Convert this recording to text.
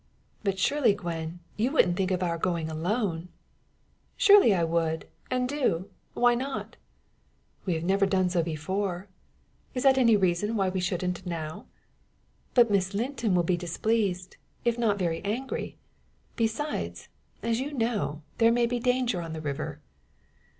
"But surely, Gwen, you wouldn't think of our going alone." "Surely I would, and do. Why not?" "We've never done so before." "Is that any reason we shouldn't now?" "But Miss Linton will be displeased, if not very angry. Besides, as you know, there may be danger on the river."